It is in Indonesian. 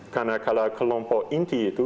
karena kalau kelompok inti itu